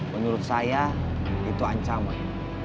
menurut saya itu ancaman